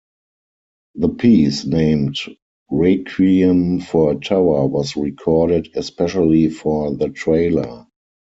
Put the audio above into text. The piece, named "Requiem for a Tower", was recorded especially for the trailer.